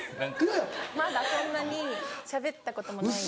まだそんなにしゃべったこともないですし。